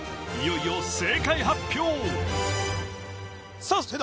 いよいよ正解発表さあ